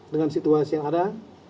dengan situasi yang ada